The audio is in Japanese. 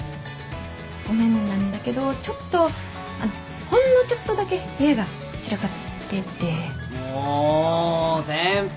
ごめんなんだけどちょっとあのほんのちょっとだけ部屋が散らかってて。も先輩。